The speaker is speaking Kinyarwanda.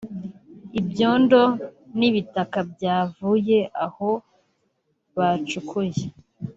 ibyondo n’ibitaka byavuye aho bacukuye